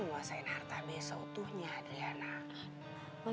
luasain harta besok tuhnya odriana